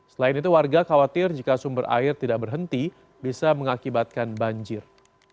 selain itu warga khawatir jika sumber air tidak berhenti bisa mengakibatkan banjir